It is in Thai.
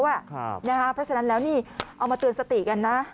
เพราะฉะนั้นแล้วนี่เอามาเตือนสติกันนะ